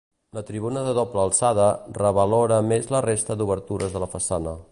La tribuna de doble alçada revalora més la resta d'obertures de la façana.